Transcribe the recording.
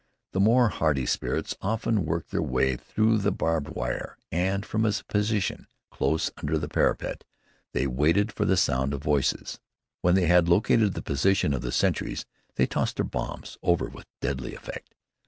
The more hardy spirits often worked their way through the barbed wire and, from a position close under the parapet, they waited for the sound of voices. When they had located the position of the sentries, they tossed their bombs over with deadly effect.